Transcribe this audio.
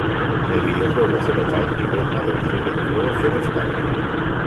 En el videojuego Zero Time Dilemma de la serie de juegos Zero Escape.